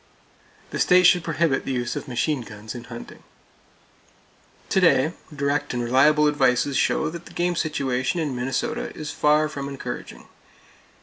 The state should prohibit the use of machine guns in hunting. To day, direct and reliable advices show that the game situation in [Page 286] Minnesota is far from encouraging.